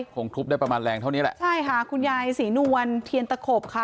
คงทุบได้ประมาณแรงเท่านี้แหละใช่ค่ะคุณยายศรีนวลเทียนตะขบค่ะ